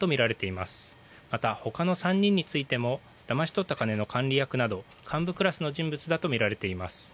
また、ほかの３人についてもだまし取った金の管理役など幹部クラスの人物だとみられています。